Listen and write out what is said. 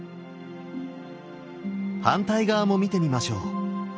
反対側も見てみましょう。